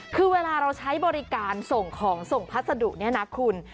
คือเวลาเราใช้บริการส่งของส่งพัสดุเนี่ยนะคุณ